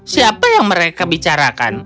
siapa yang mereka bicarakan